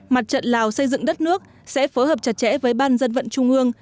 mặt trận lào xây dựng đất nước sẽ phối hợp chặt chẽ với ban dân vận trung ương